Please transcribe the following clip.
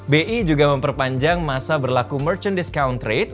bi juga memperpanjang masa berlaku merchandis count rate